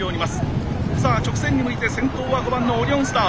さあ直線に向いて先頭は５番のオリオンスター。